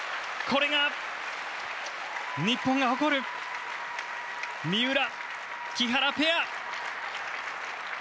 これが日本が誇る三浦・木原ペア。